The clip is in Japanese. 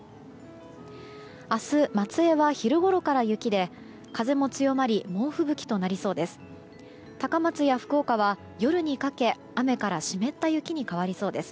明日、松江は昼ごろから雪で風も強まり猛吹雪となりそうです。